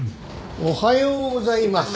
おはようございます。